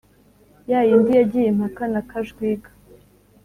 ya yindi yagiye impaka na kajwiga